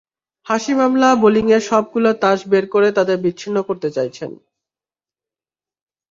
Hashim Amla বোলিংয়ের সবগুলো তাস বের করে তাঁদের বিচ্ছিন্ন করতে চাইছেন।